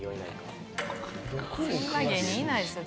そんな芸人いないですよ。